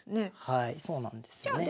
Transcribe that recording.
はいそうなんですよね。